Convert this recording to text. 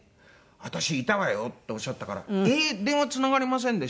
私いたわよ」っておっしゃったから「ええー！電話つながりませんでしたよ」